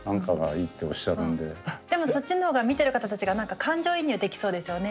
でもそっちの方が見てる方たちが何か感情移入できそうですよね。